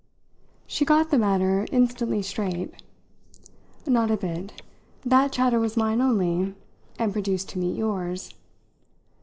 She got the matter instantly straight. "Not a bit. That chatter was mine only and produced to meet yours.